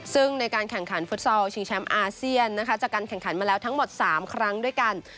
ซึ่งในการแข่งขันฟุตซอลชิงแชมป์อาเซียนนะคะจากการแข่งขันมาแล้วทั้งหมด๓ครั้งด้วยกัน